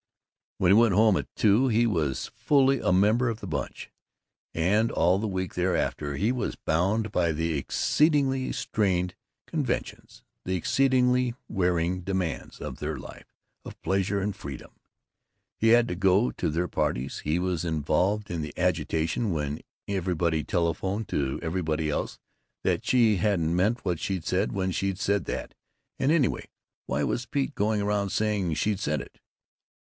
When he went home, at two, he was fully a member of the Bunch, and all the week thereafter he was bound by the exceedingly straitened conventions, the exceedingly wearing demands, of their life of pleasure and freedom. He had to go to their parties; he was involved in the agitation when everybody telephoned to everybody else that she hadn't meant what she'd said when she'd said that, and anyway, why was Pete going around saying she'd said it?